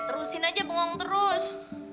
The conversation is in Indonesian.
terusin aja pengong terus